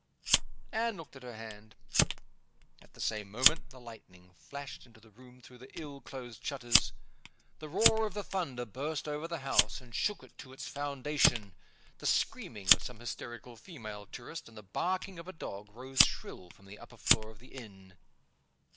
Anne looked at her hand. At the same moment the lightning flashed into the room through the ill closed shutters; the roar of the thunder burst over the house, and shook it to its foundation. The screaming of some hysterical female tourist, and the barking of a dog, rose shrill from the upper floor of the inn.